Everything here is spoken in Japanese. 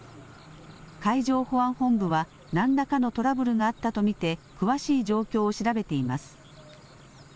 海上保安本部は、なんらかのトラブルがあったと見て、詳しい状況を調べています。